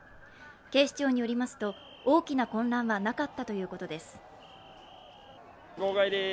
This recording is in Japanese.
警視庁によりますと、大きな混乱はなかったということですす。